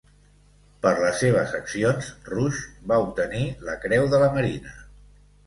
Per les seves accions, Rush va obtenir la Creu de la Marina.